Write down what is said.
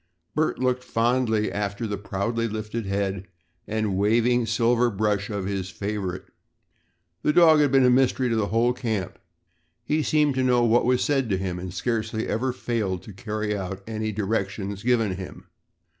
Bert looked fondly after the proudly lifted head and waving silver brush of his favorite. The dog had been a mystery to the whole camp. He seemed to know what was said to him and scarcely ever failed to carry out any directions given him.